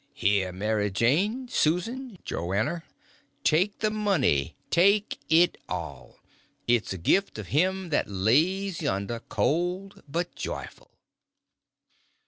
Here, Mary Jane, Susan, Joanner, take the money—take it all. It's the gift of him that lays yonder, cold but joyful."